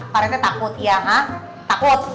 parete takut iya gak takut